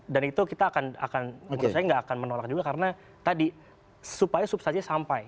dan itu kita akan menurut saya nggak akan menolak juga karena tadi supaya substansinya sampai